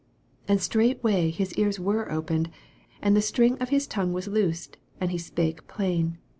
35 And straightway his ears were opened, and the string of his tongue was loosed, and he spake plain.